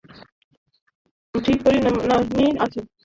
ঠিক পরিমাণই আছে।